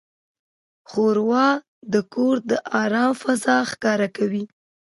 ښوروا د کور د آرام فضا ښکاره کوي.